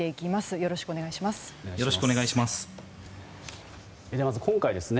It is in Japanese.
よろしくお願いします。